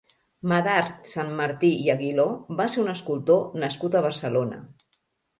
Medard Santmartí i Aguiló va ser un escultor nascut a Barcelona.